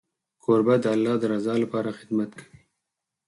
کوربه د الله د رضا لپاره خدمت کوي.